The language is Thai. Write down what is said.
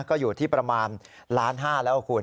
ก็อยู่ที่ประมาณล้านห้าแล้วคุณ